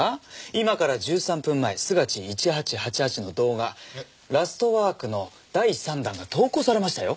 今から１３分前スガチー１８８８の動画『ラストワーク』の第３弾が投稿されましたよ。